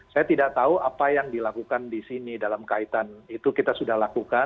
saya tidak tahu apa yang dilakukan di sini dalam kaitan itu kita sudah lakukan